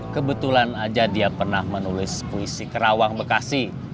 kebetulan aja dia pernah menulis puisi kerawang bekasi